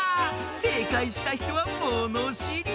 せいかいしたひとはものしり。